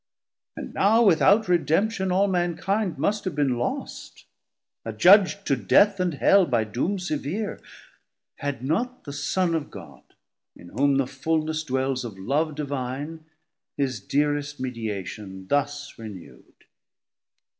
And now without redemption all mankind Must have bin lost, adjudg'd to Death and Hell By doom severe, had not the Son of God, In whom the fulness dwels of love divine, His dearest mediation thus renewd.